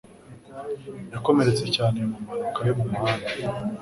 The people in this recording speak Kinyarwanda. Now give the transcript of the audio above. yakomeretse cyane mu mpanuka yo mu muhanda.